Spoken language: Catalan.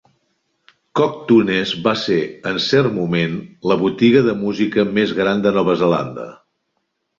Coke Tunes va ser, en cert moment, la botiga de música més gran de Nova Zelanda.